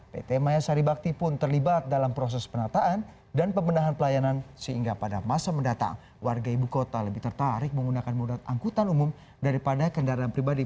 pt maya saribakti pun terlibat dalam proses penataan dan pemenahan pelayanan sehingga pada masa mendatang warga ibu kota lebih tertarik menggunakan modal angkutan umum daripada kendaraan pribadi